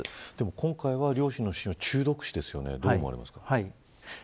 今回は両親の死は中毒死ですよね、どうですか。